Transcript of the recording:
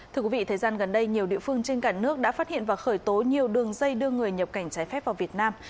thưa quý vị thời gian gần đây nhiều địa phương trên cả nước đã phát hiện và khởi tố nhiều đường dây đưa người nhập cảnh trái phép vào việt nam